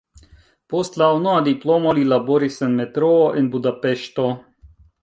Post la unua diplomo li laboris en metroo en Budapeŝto.